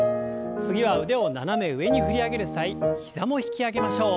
次は腕を斜め上に振り上げる際膝も引き上げましょう。